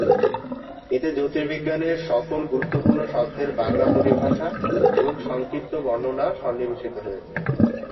এতে জ্যোতির্বিজ্ঞানের সকল গুরুত্বপূর্ণ শব্দের বাংলা পরিভাষা এবং সংক্ষিপ্ত বর্ণনা সন্নিবেশিত হয়েছে।